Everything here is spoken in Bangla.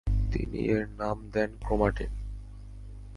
তিনি এর নাম দেন ক্রোমাটিন।